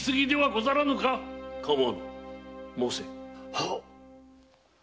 はっ。